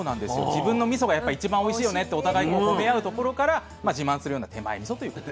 自分のみそが一番おいしいよねってお互いに褒め合うところから自慢するような「手前みそ」という言葉が。